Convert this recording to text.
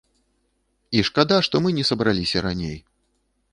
І шкада, што мы не сабраліся раней.